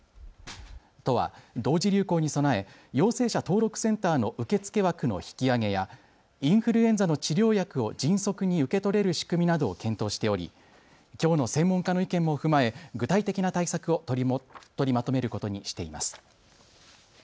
都は同時流行に備え陽性者登録センターの受け付け枠の引き上げやインフルエンザの治療薬を迅速に受け取れる仕組みなどを検討しており、きょうの専門家の意見も踏まえ具体的な対策を取りまとめることにしています。